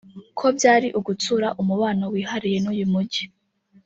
ko byari ugutsura umubano wihariye n’uyu mujyi